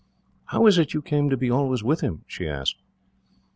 "How is it you come to be always with him?" she asked.